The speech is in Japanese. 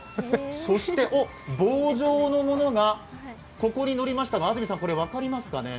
そして、おっ、棒状のものがここにのりましたが、これ、分かりますかね？